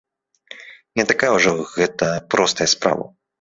Не такая ўжо гэта простая справа.